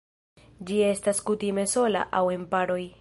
Ĝi estas kutime sola aŭ en paroj.